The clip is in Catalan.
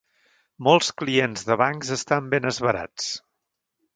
Molts clients de bancs estan ben esverats.